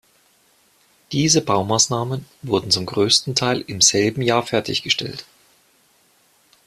Diese Baumaßnahmen wurden zum größten Teil im selben Jahr fertiggestellt.